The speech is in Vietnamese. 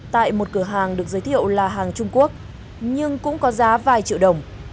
tại một cửa hàng được giới thiệu là hàng trung quốc nhưng cũng có giá vài triệu đồng